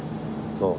そう？